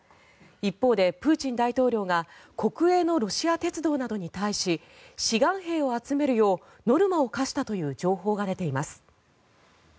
一方でプーチン大統領が国営のロシア鉄道などに対し志願兵を集めるようノルマを課したという情報が出ています。